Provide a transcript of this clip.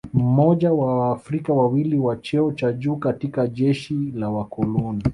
Mmoja wa Waafrika wawili wa cheo cha juu katika jeshi la wakoloni